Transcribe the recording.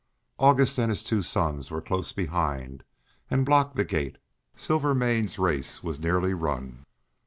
August and his two sons were close behind, and blocked the gate. Silvermane's race was nearly run.